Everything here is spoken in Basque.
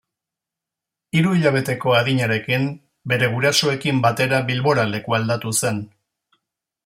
Hiru hilabeteko adinarekin bere gurasoekin batera Bilbora lekualdatu zen.